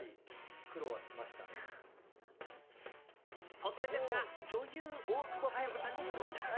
突然ですが、女優大久保佳代子さんに質問です。